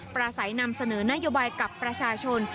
สัยนำเสนอนโยบายกับประชาชน